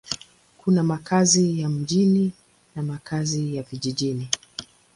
Kuna makazi ya mjini na makazi ya vijijini.